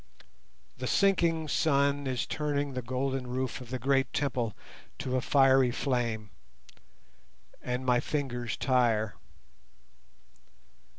The sinking sun is turning the golden roof of the great Temple to a fiery flame, and my fingers tire.